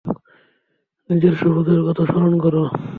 নিজের শপথের কথা স্মরণ করো।